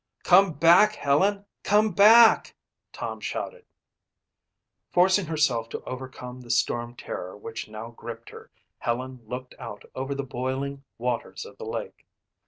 "Come back, Helen, come back!" Tom shouted. Forcing herself to overcome the storm terror which now gripped her, Helen looked out over the boiling waters of the lake.